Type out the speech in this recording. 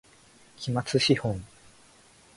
期末資本